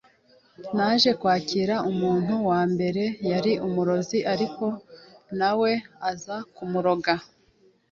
naje kwakira umuntu wa mbere yari umurozi ariko na we baza kumuroga